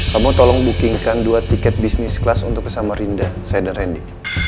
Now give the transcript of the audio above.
kamu tolong booking kan dua tiket bisnis kelas untuk kesama rinda saya dan rendy